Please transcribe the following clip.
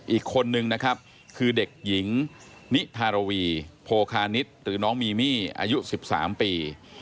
อีกคนนึงนะครับคือเด็กหญิงนิทารวีโพคานิตหรือน้องมีมี่อายุ๑๓ปี